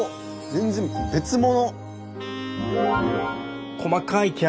全然別物。